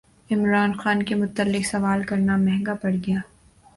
عمران خان کے متعلق سوال کرنا مہنگا پڑگیا